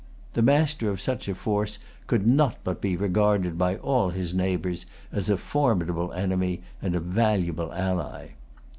The master of such a force could not but be regarded by all his neighbors as a formidable enemy and a valuable ally.